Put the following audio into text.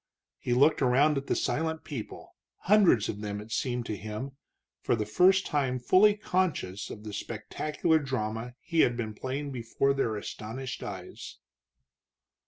He looked around at the silent people, hundreds of them, it seemed to him, for the first time fully conscious of the spectacular drama he had been playing before their astonished eyes.